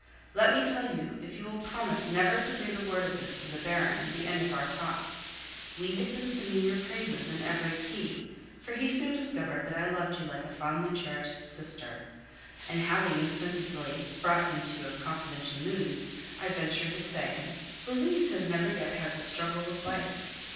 Let me tell you, if you will promise never to breathe a word of this to the Baron, the end of our talk. We had been singing your praises in every key, for he soon discovered that I loved you like a fondly cherished sister, and having insensibly brought him to a confidential mood, I ventured to say: "Louise has never yet had to struggle with life.